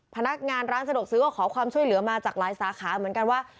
พนักงานร้านสะดวกซื้อก็ขอความช่วยเหลือมาจากหลายสาขาเหมือนกันว่า